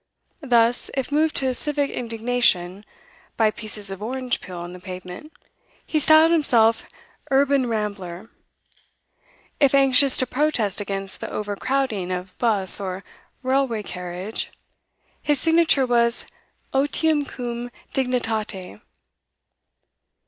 Thus, if moved to civic indignation by pieces of orange peel on the pavement, he styled himself 'Urban Rambler;' if anxious to protest against the overcrowding of 'bus or railway carriage, his signature was 'Otium cum Dignitate.